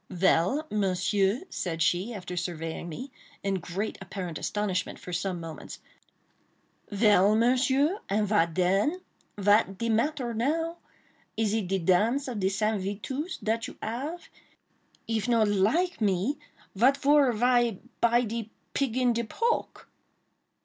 "Vell, Monsieur," said she, after surveying me, in great apparent astonishment, for some moments—"Vell, Monsieur?—and vat den?—vat de matter now? Is it de dance of de Saint itusse dat you ave? If not like me, vat for vy buy de pig in the poke?"